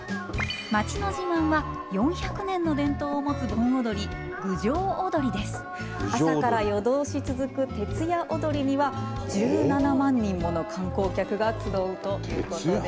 町の自慢は４００年の伝統を持つ盆踊り朝から夜通し続く徹夜踊りには１７万人もの観光客が集うということです。